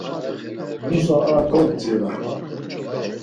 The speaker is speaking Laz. Nusa a kobdzira.